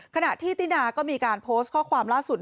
ขณะที่ตินาก็มีการโพสต์ข้อความล่าสุด